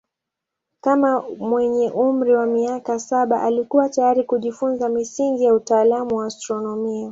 Kama mwenye umri wa miaka saba alikuwa tayari kujifunza misingi ya utaalamu wa astronomia.